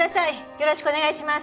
よろしくお願いします。